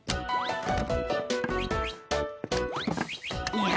いや